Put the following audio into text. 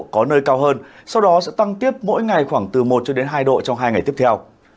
có nơi cao hơn sau đó sẽ tăng tiếp mỗi ngày khoảng từ một cho đến hai độ trong hai ngày tiếp theo